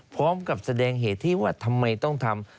พร้อมกับแสดงเหตุที่ว่าทำไมต้องทำ